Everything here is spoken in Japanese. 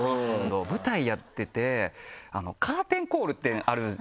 舞台やっててカーテンコールってあるじゃないですか。